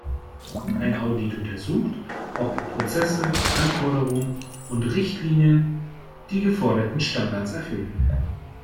Ein Audit untersucht, ob Prozesse, Anforderungen und Richtlinien die geforderten Standards erfüllen.